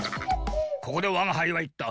ここでわがはいはいった。